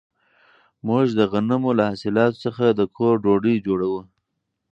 موږ د غنمو له حاصلاتو څخه د کور ډوډۍ جوړوو.